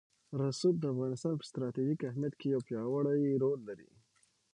رسوب د افغانستان په ستراتیژیک اهمیت کې یو پیاوړی رول لري.